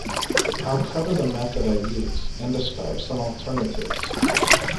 I'll cover the method I use and describe some alternatives.